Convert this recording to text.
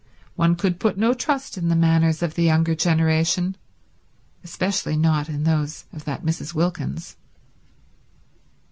One could put no trust in the manners of the younger generation; especially not in those of that Mrs. Wilkins.